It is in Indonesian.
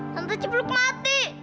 tante cipluk mati